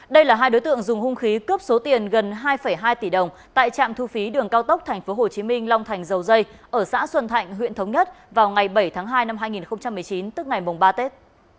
đây là hai đối tượng dùng hung khí cướp số tiền gần hai hai tỷ đồng tại trạm thu phí đường cao tốc tp hcm long thành dầu dây ở xã xuân thạnh huyện thống nhất vào ngày bảy tháng hai năm hai nghìn một mươi chín tức ngày ba tết